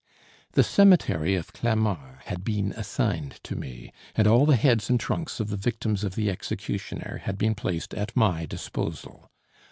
The Cemetery of Clamart had been assigned to me, and all the heads and trunks of the victims of the executioner had been placed at my disposal.